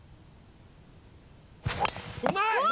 うまい！